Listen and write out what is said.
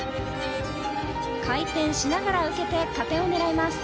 回転しながら受けて加点を狙います。